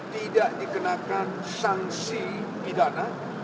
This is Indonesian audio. tidak dikenakan sanksi pidana